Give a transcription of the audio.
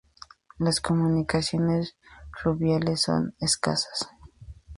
Las comunicaciones fluviales son escasas.